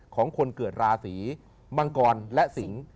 ของคนเกิดราศีมังกรและสิง